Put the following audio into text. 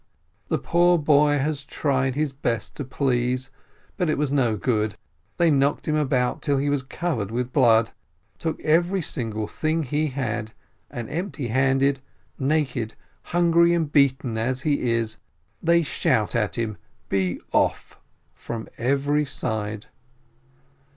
The poor boy has tried his best to please, but it was no good, they knocked him about till he was covered with blood, took every single thing he had, and empty handed, naked, hungry, and beaten as he is, they shout at him "Be off!" from every side.